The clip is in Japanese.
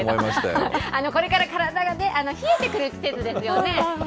これから体が冷えてくる季節ですよね。